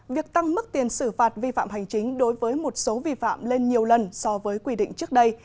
việc tăng mức tiền xử phạt vi phạm hành chính đối với một số vi phạm lên nhiều lần so với quy định trước đây